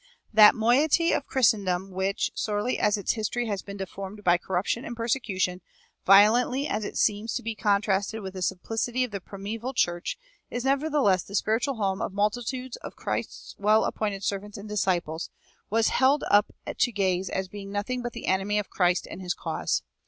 That moiety of Christendom which, sorely as its history has been deformed by corruption and persecution, violently as it seems to be contrasted with the simplicity of the primeval church, is nevertheless the spiritual home of multitudes of Christ's well approved servants and disciples, was held up to gaze as being nothing but the enemy of Christ and his cause.